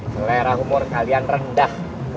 selera umur kalian rendah